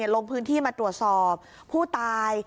ลงพื้นที่มาตรวจสอบผู้ตาย